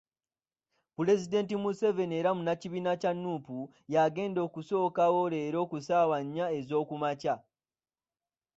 Pulezidenti Museveni era munnakibiina kya Nuupu, y'agenda okusookawo leero ku ssaawa nnya ez'okumakya.